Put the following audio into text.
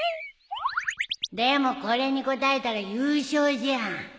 でもこれに答えたら優勝じゃん